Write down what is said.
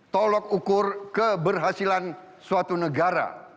tolok ukur keberhasilan suatu negara